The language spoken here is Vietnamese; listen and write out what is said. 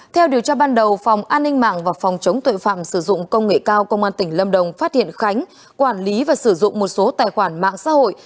theo điều tra ban đầu phòng an ninh mạng và phòng chống tội phạm sử dụng công nghệ cao công an tỉnh lâm đồng phát hiện khánh quản lý và sử dụng một số tài khoản mạng xã hội